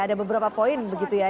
ada beberapa poin begitu ya